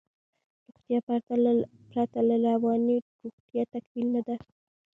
روغتیا پرته له روانی روغتیا تکمیل نده